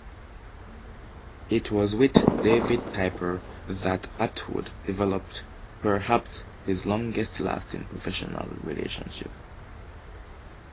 It was with David Piper that Attwood developed perhaps his longest lasting professional relationship.